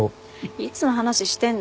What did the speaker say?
いつの話してんの。